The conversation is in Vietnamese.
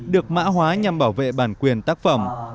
được mã hóa nhằm bảo vệ bản quyền tác phẩm